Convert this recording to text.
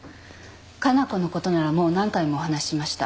加奈子のことならもう何回もお話ししました